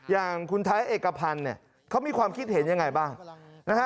อย่างคุณไทร์เอกพันธ์เขามีความคิดเห็นอย่างไรบ้าง